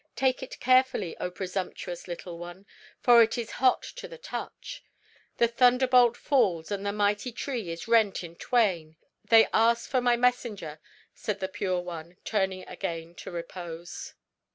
Take it carefully, O presumptuous Little One, for it is hot to the touch.' "The thunderbolt falls and the mighty tree is rent in twain. 'They asked for my messenger,' said the Pure One, turning again to repose.